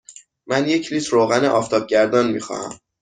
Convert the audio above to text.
من یک لیتر روغن آفتابگردان می خواهم.